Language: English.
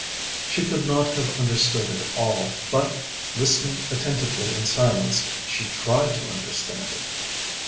She could not have understood it all; but, listening attentively in silence, she tried to understand it.